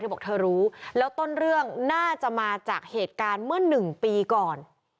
บอกเธอรู้แล้วต้นเรื่องน่าจะมาจากเหตุการณ์เมื่อ๑ปีก่อน